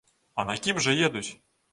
А на кім жа едуць?